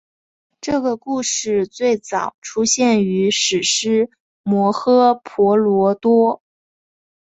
这个故事最早出现于史诗摩诃婆罗多。